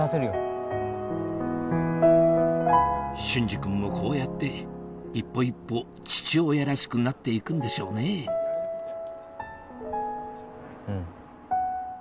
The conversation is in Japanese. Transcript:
隼司君もこうやって一歩一歩父親らしくなって行くんでしょうねうん。